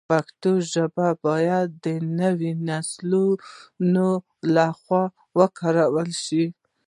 پښتو ژبه باید د نویو نسلونو له خوا وکارول شي.